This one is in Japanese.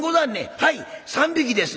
「はい３匹です」。